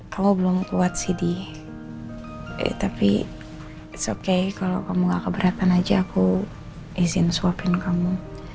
kamu belum kuat sih d tapi it's okay kalau kamu gak keberatan aja aku izin suapin kamu